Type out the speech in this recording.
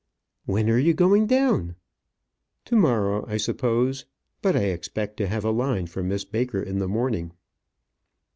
"When are you going down?" "To morrow, I suppose. But I expect to have a line from Miss Baker in the morning."